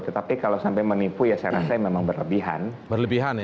tetapi kalau sampai menipu ya saya rasa memang berlebihan